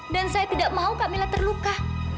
dan saya tidak mau kamila terluka